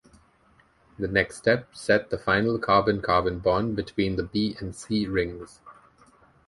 The next step set the final carbon-carbon bond between the B and C rings.